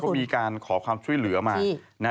ก็มีการขอความช่วยเหลือมา